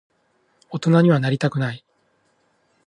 大人にはなりたくない。